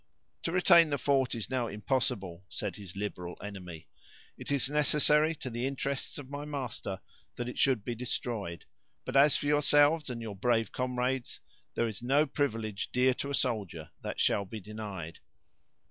"To retain the fort is now impossible," said his liberal enemy; "it is necessary to the interests of my master that it should be destroyed; but as for yourselves and your brave comrades, there is no privilege dear to a soldier that shall be denied."